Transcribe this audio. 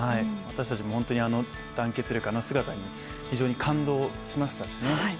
私たちも本当に団結力、あの姿に非常に感動しましたしね。